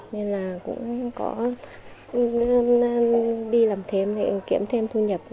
nên là cũng có đi làm thêm để kiếm thêm thu nhập